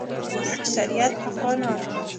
اکثریت افغانان